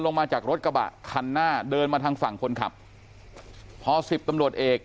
ลงมาจากรถกระบะคันหน้าเดินมาทางฝั่งคนขับพอสิบตำรวจเอก